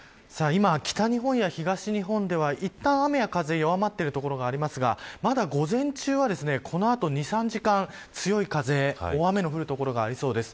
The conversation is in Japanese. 今、北日本や東日本ではいったん雨や風弱まってる所がありますがまだ午前中はこのあと２、３時間強い風、大雨の降る所がありそうです。